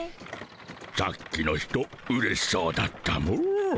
さっきの人うれしそうだったモ。